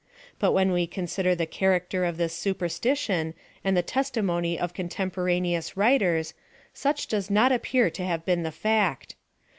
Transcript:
But when we consider the character of this superstition, and the testimony of cotemporaneous writers, such does not appear to have been the fact.